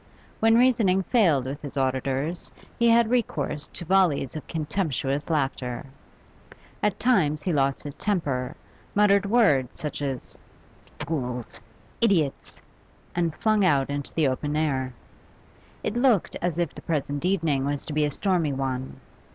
When reasoning failed with his auditors, he had recourse to volleys of contemptuous laughter. At times he lost his temper, muttered words such as 'fools!' 'idiots!' and flung out into the open air. It looked as if the present evening was to be a stormy one.